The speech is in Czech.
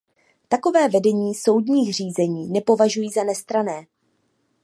Takové vedení soudních řízení nepovažuji za nestranné.